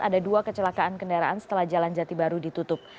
ada dua kecelakaan kendaraan setelah jalan jati baru ditutup